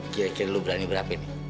kira kira lu berani berapa ini